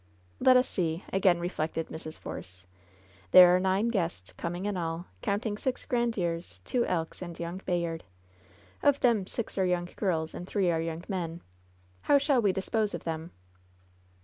"Let us see," again reflected Mrs. Force. "There are nine guests coming in all — counting six Grandieres, two Elks and young Bayard. Of them six are young girls, and three are young men. How shall we dispose of them?"